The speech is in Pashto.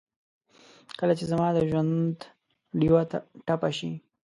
کله چې زما دژوندډېوه ټپه شي